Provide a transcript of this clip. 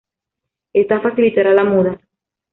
Esta facilitará la muda.